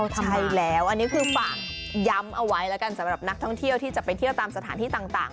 ใช่แล้วอันนี้คือปรากษ์ยำเอาไว้แล้วกันสำหรับนักท่องเที่ยวรายการสถานที่ต่าง